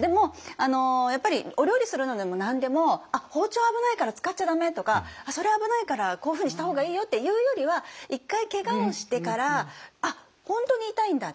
でもお料理するのでも何でも「あっ包丁危ないから使っちゃ駄目」とか「それ危ないからこういうふうにした方がいいよ」って言うよりは一回けがをしてからあっ本当に痛いんだ